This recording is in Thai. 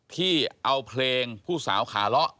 ที่เอาเพลงผู้สาวขาเลาะ